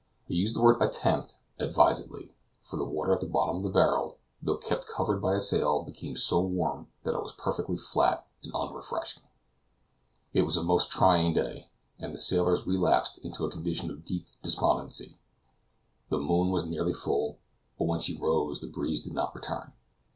I use the word "attempt" advisedly; for the water at the bottom of the barrel though kept covered by a sail, became so warm that it was perfectly flat and unrefreshing. It was a most trying day, and the sailors relapsed into a condition of deep despondency. The moon was nearly full, but when she rose the breeze did not return.